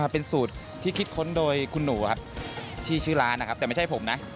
เป็นสูตรที่คิดค้นโดยคุณหนูครับที่ชื่อร้านนะครับแต่ไม่ใช่ผมนะ